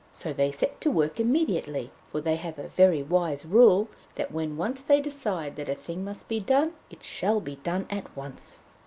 So they set to work immediately, for they have a very wise rule that when once they decide that a thing must be done, it shall be done at once.